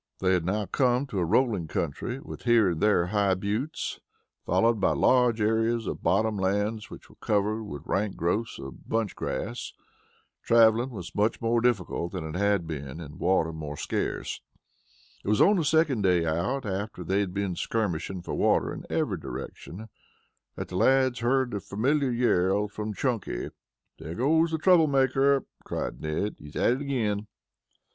They had now come to a rolling country, with here and there high buttes, followed by large areas of bottom lands which were covered with rank growths of bunch grass. Traveling was more difficult than it had been, and water more scarce. It was on the second day out, after they had been skirmishing for water in every direction, that the lads heard the familiar yell from Chunky. "There goes the trouble maker," cried Ned. "He's at it again."